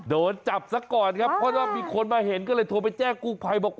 โดนจับซะก่อนครับเพราะว่ามีคนมาเห็นก็เลยโทรไปแจ้งกู้ภัยบอก